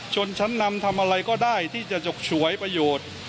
ชนชั้นนำทำอะไรก็ได้ที่จะจกฉวยประโยชน์